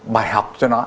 bài học cho nó